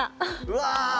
うわ！